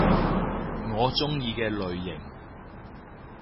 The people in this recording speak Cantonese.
我鍾意嘅類型